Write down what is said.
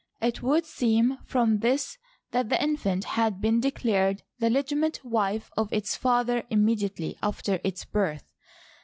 *' It would seem from this that the infant had been declared the legitimate wife of its father immediately after its birth.